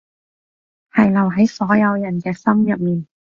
係留喺所有人嘅心入面